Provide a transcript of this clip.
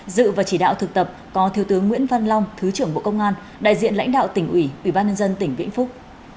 dự và chỉ đạo thực tập có thiếu tướng nguyễn văn long thứ trưởng bộ công an đại diện lãnh đạo tỉnh ủy ủy ban nhân dân tỉnh vĩnh phúc